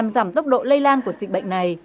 giảm tốc độ lây lan của dịch bệnh này